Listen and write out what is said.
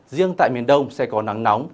riêng tại miền đông sẽ có nắng nóng